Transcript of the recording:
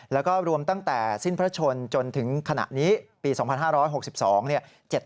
แล้วก็รวมตั้งแต่สิ้นพระชนจนถึงขณะนี้ปี๒๕๖๒เนี่ย